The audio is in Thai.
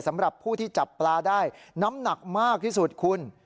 สำหรับผู้ที่จับปลาได้น้ำหนักมากที่สุดคุณ